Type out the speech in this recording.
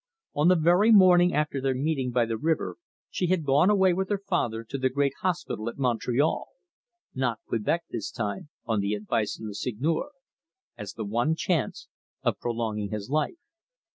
On the very morning after their meeting by the river she had gone away with her father to the great hospital at Montreal not Quebec this time, on the advice of the Seigneur as the one chance of prolonging his life.